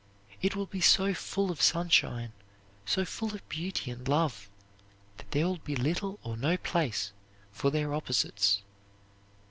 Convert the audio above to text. It will be so full of sunshine, so full of beauty and love, that there will be little or no place for their opposites.